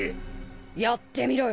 やってみろよ。